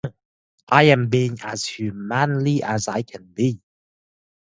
I am being as humanly as I can be.